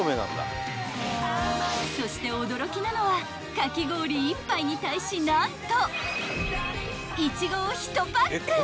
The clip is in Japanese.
［そして驚きなのはかき氷１杯に対し何と］